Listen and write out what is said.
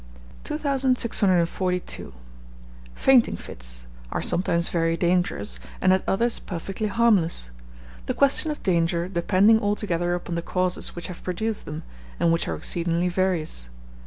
2642. Fainting Fits are sometimes very dangerous, and at others perfectly harmless; the question of danger depending altogether upon the causes which have produced them, and which are exceedingly various.